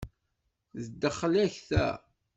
D ddexla-k ta?